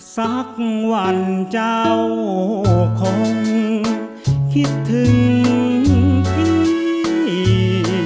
สักวันเจ้าคงคิดถึงพี่